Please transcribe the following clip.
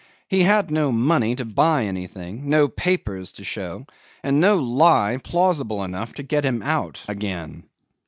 He had no money to buy anything, no papers to show, and no lie plausible enough to get him out again.